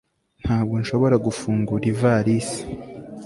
ntabwo nshobora gufungura ivalisi